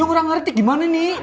ini orang ngerti gimana nih